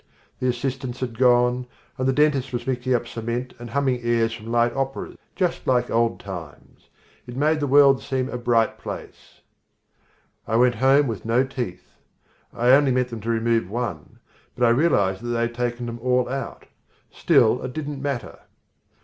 The assistants had gone, and the dentist was mixing up cement and humming airs from light opera just like old times. It made the world seem a bright place. I went home with no teeth. I only meant them to remove one, but I realized that they had taken them all out. Still it didn't matter.